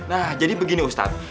nah jadi begini ustadz